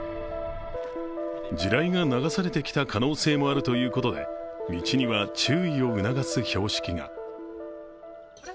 地雷が流されてきた可能性もあるということで、道には注意を促す標識が。